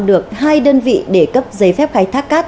được hai đơn vị để cấp giấy phép khai thác cát